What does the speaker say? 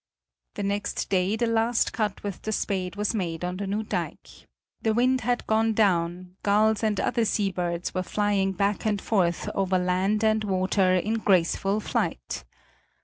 The next day the last cut with the spade was made on the new dike. The wind had gone down; gulls and other sea birds were flying back and forth over land and water in graceful flight.